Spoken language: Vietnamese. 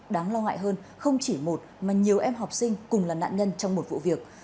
đáng lo ngại hơn không chỉ một mà nhiều em học sinh cùng là nạn nhân trong một vụ việc